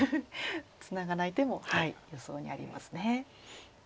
ツナがない手も予想にありますね。